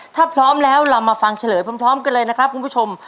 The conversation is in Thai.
ถ้าพร้อมแล้วเรามาฟังเฉลยพร้อมกันเลยนะครับคุณผู้ชม